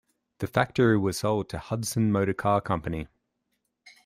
The factory was sold to Hudson Motor Car Company.